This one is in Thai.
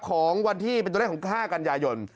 ของวันที่เป็นตัวเลขของ๕กันยายน